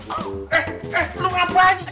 eh eh lo ngapain disini